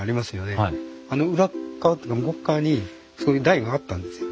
あの裏っかわってか向こっかわにそういう台があったんですよ。